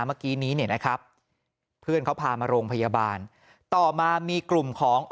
เมื่อกี้นี้เนี่ยนะครับเพื่อนเขาพามาโรงพยาบาลต่อมามีกลุ่มของ